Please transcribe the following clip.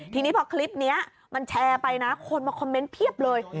ทีนี้พอคลิปนี้มันแชร์ไปนะคนมาคอมเมนต์เพียบเลย